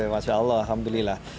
masya allah alhamdulillah